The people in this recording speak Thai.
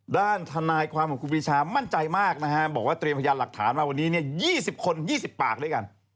ด้านทนายความของครูปีชามั่นใจมากนะฮะบอกว่าเตรียมพยานหลักฐานมาวันนี้๒๐คน๒๐ปากด้วยกัน